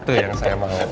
itu yang saya mau